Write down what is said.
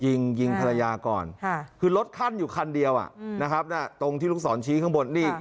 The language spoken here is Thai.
ยิงฮรรยาก่อนคือรถคันอยู่คันเดียวตรงที่ลูกศรชี้ข้างบน